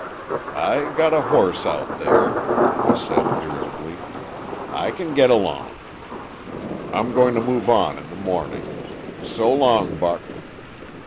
"I got a horse out there," he had said irritably. "I can get along. I'm going to move on in the morning. So long, Buck."